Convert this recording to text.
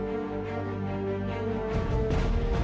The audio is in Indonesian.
nggak ada yang nunggu